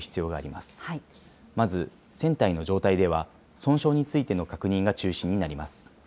まず船体の状態では、損傷についての確認が中心になります。